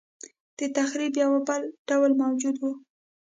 دتخریب یو بل ډول موجود و.